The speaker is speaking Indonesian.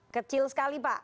kecil sekali pak